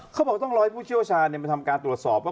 เขาบอกต้องรอให้ผู้เชี่ยวชาญมาทำการตรวจสอบว่า